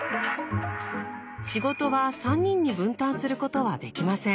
仕事は３人に分担することはできません。